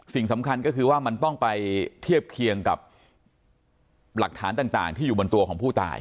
สิ่งสำคัญก็คือว่ามันต้องไปเทียบเคียงกับหลักฐานต่างที่อยู่บนตัวของผู้ตาย